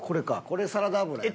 これサラダ油やな。